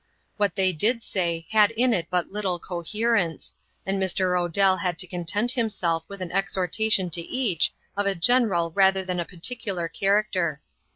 What they did say had in it but little coherence, and Mr. Odell had to content himself with an exhortation to each, of a general rather than a particular character.